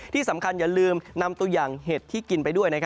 ที่สำคัญอย่าลืมนำตัวอย่างเห็ดที่กินไปด้วย